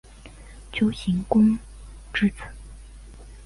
丘行恭之子。